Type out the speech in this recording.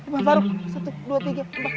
mbak faruk satu dua tiga